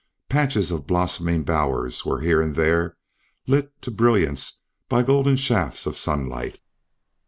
Patches of blossoming Bowers were here and there lit to brilliance by golden shafts of sunlight.